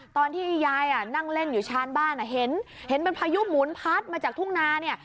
ตอนที่ยายนั่งเล่นอยู่ชานบ้านเห็นเป็นพายุหมุนพัดมาจากทุ่งนาเนี่ย